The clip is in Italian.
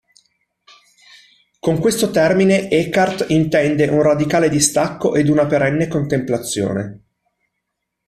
Con questo termine Eckhart intende un radicale distacco ed una perenne contemplazione.